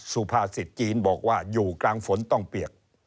สุภาษิตจีนบอกว่าอยู่กลางฝนต้องเปียก